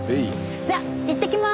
じゃあいってきます！